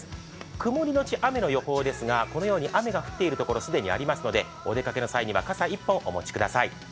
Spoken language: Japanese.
曇りのち雨の予報ですが、このように雨が降っている所、既にありますのでお出かけの際には傘１本、お持ちください。